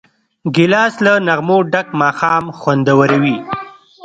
ګیلاس له نغمو ډک ماښام خوندوروي.